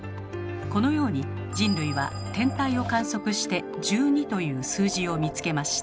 このように人類は天体を観測して「１２」という数字を見つけました。